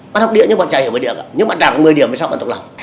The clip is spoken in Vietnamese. bạn học địa nhưng bạn chả hiểu mấy điểm nhưng bạn đạt mấy điểm thì sao bạn thuộc lòng